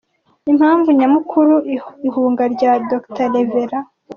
Impamvu nyamukuru y’ ihunga rya Dr. Rev.